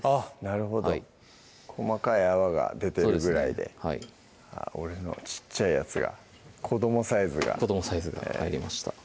なるほど細かい泡が出てるぐらいではいあぁ俺の小っちゃいやつが子どもサイズが子どもサイズが入りました